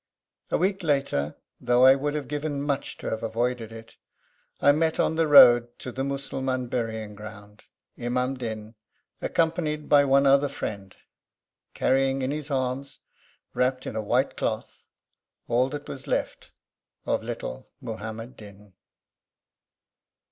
A week later, though I would have given much to have avoided it, I met on the road to the Mussulman burying ground Imam Din, accompanied by one other friend, carrying in his arms, wrapped in a white cloth, all that was left of little Muhammad Din.